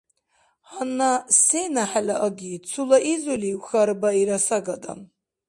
«Гьанна сена хӀела аги, цула изулив»? – хьарбаира сагадан.